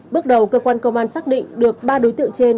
bước đầu cơ quan công an xác định được ba đối tượng trên